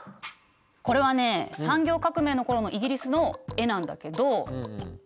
これはね産業革命の頃のイギリスの絵なんだけどじゃあ